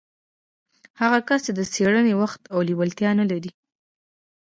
هغه کس چې د څېړنې وخت او لېوالتيا نه لري.